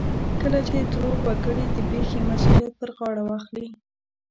کله چې ترور وکړي د پېښې مسؤليت پر غاړه اخلي.